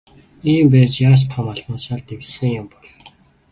Ийм байж яаж том албан тушаалд дэвшсэн юм бол.